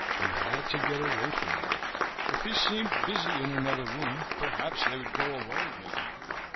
He had to get away from there. If he seemed busy in another room perhaps they would go away again.